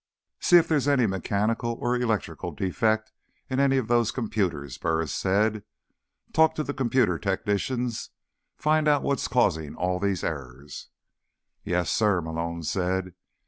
"See if there's any mechanical or electrical defect in any of those computers," Burris said. "Talk to the computer technicians. Find out what's causing all these errors." "Yes, sir," Malone said.